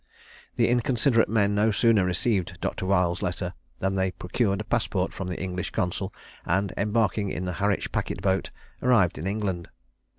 The inconsiderate men no sooner received Dr. Weil's letter than they procured a passport from the English consul, and, embarking in the Harwich packet boat, arrived in England.